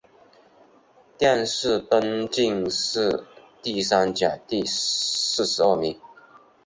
殿试登进士第三甲第四十二名。